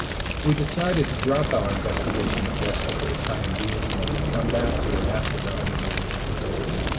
We decided to drop our investigation of Vesta for the time being, and come back to it after the honeymoon.